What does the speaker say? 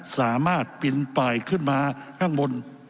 สามารถปินไปขึ้นมาข้างบน